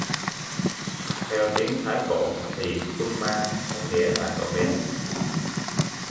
Theo tiếng Thái cổ thì kuman có nghĩa là cậu bé